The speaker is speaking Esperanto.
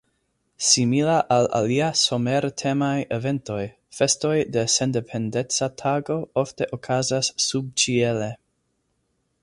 Simila al alia somer-temaj eventoj, festoj de Sendependeca Tago ofte okazas subĉiele.